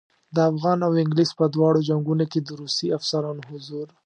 د افغان او انګلیس په دواړو جنګونو کې د روسي افسرانو حضور.